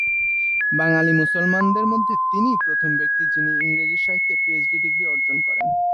বাঙ্গালী মুসলমানদের মধ্যে তিনিই প্রথম ব্যক্তি যিনি ইংরেজি সাহিত্যে পিএইচডি ডিগ্রী অর্জন করেন।